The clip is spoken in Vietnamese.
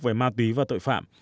về ma túy và tội phạm